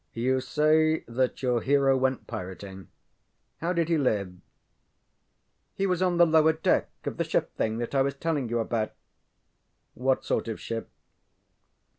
You say that your hero went pirating. How did he live? ŌĆØ ŌĆ£He was on the lower deck of this ship thing that I was telling you about. ŌĆØ ŌĆ£What sort of ship?